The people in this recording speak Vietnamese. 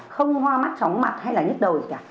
không hoa mắt tróng mặt hay là nhứt đầu gì cả